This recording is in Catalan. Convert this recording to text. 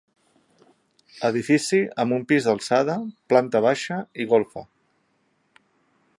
Edifici amb un pis d'alçada, planta baixa i golfa.